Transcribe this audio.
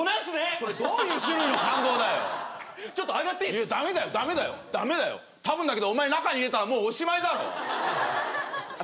それどういう種類の感動だよ上がっていいっすかダメだよダメだよたぶんだけどお前中に入れたらもうおしまいだろあっ